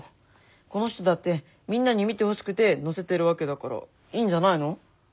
この人だってみんなに見てほしくて載せてるわけだからいいんじゃないの？